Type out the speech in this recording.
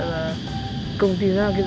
và cùng tìm ra cái